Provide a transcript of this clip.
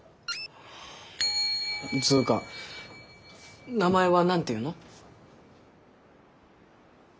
つうか名前は何ていうの？